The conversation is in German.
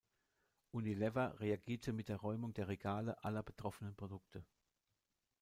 Unilever reagierte mit der Räumung der Regale aller betroffenen Produkte.